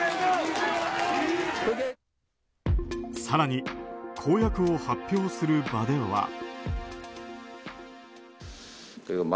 更に、公約を発表する場では。